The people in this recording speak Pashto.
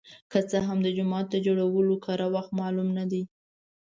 که څه هم د جومات د جوړولو کره وخت معلوم نه دی.